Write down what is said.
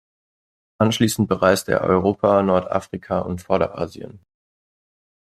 Anschließend bereiste er Europa, Nordafrika und Vorderasien.